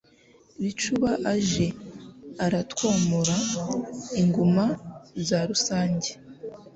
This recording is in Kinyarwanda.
Bicuba aje aratwomora Inguma za Rusange